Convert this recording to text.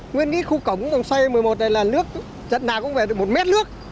nguyên nghĩa khu cổng xoay một mươi một này là nước trận nào cũng phải được một mét nước